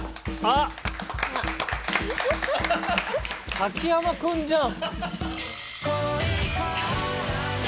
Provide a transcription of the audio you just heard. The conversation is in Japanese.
崎山君じゃん。